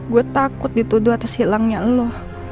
gue takut dituduh atas hilangnya lo